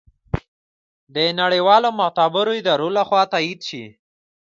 د نړیوالو معتبرو ادارو لخوا تائید شي